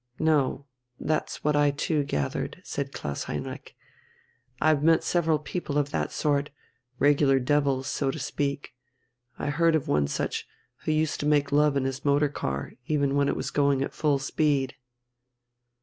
"No, that's what I too gathered," said Klaus Heinrich. "I've met several people of that sort regular devils, so to speak. I heard of one such, who used to make love in his motor car, even when it was going at full speed."